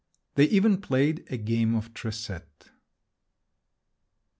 They even played a game of tresette.